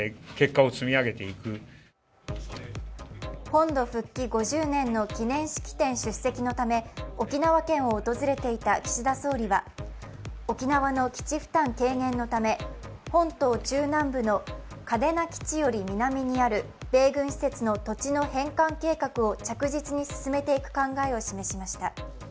本土復帰５０年の記念式典出席のため沖縄県を訪れていた岸田総理は、沖縄の基地負担軽減のため本島中南部の嘉手納基地より南にある米軍施設の土地の返還計画を着実に進めていく考えを示しました。